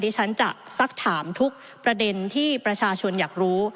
ฉันจะสักถามทุกประเด็นที่ประชาชนอยากรู้